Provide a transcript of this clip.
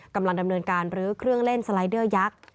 กำลังดำเนินการลื้อเครื่องเล่นสไลเดอร์ยักษ์